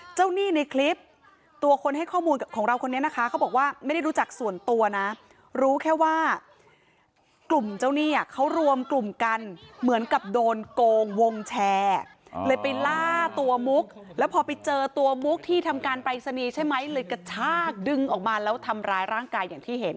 หนี้ในคลิปตัวคนให้ข้อมูลของเราคนนี้นะคะเขาบอกว่าไม่ได้รู้จักส่วนตัวนะรู้แค่ว่ากลุ่มเจ้าหนี้เขารวมกลุ่มกันเหมือนกับโดนโกงวงแชร์เลยไปล่าตัวมุกแล้วพอไปเจอตัวมุกที่ทำการปรายศนีย์ใช่ไหมเลยกระชากดึงออกมาแล้วทำร้ายร่างกายอย่างที่เห็น